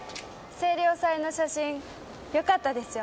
清涼祭の写真良かったですよ。